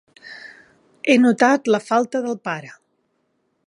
He notat la falta del pare.